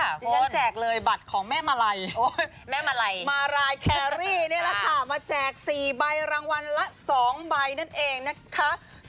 ที่ฉันแจกเลยบัตรของแม่มาลัยมาลัยแครรี่มาแจก๔ใบรางวัลละ๒ใบนั่นเองนะคะ